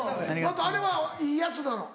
あれはいいやつなの？